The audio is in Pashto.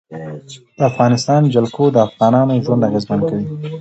د افغانستان جلکو د افغانانو ژوند اغېزمن کوي.